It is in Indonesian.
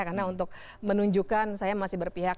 karena untuk menunjukkan saya masih berpihak